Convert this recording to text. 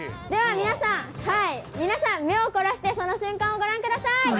では皆さん、皆さん、目を凝らしてその瞬間をご覧ください。